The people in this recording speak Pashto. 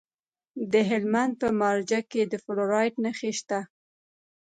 د هلمند په مارجه کې د فلورایټ نښې شته.